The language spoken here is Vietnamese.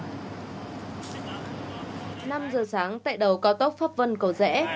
năm giờ sáng tại đầu cao tốc pháp vân cầu rẽ